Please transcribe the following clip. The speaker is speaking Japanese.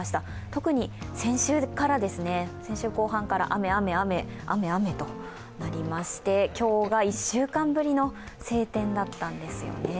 特に先週後半から雨、雨、雨、雨、雨となりまして、今日が１週間ぶりの晴天だったんですよね。